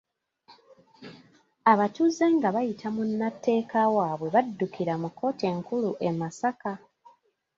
Abatuuze nga bayita mu munnateeka waabwe baddukira mu kkooti enkulu e Masaka